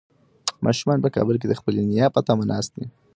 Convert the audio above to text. ماشومان په کابل کې د خپلې نیا په تمه ناست دي.